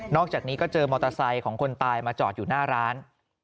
อกจากนี้ก็เจอมอเตอร์ไซค์ของคนตายมาจอดอยู่หน้าร้าน